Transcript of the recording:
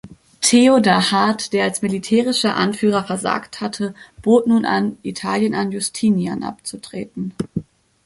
Theodahad, der als militärischer Anführer versagt hatte, bot nun an, Italien an Justinian abzutreten.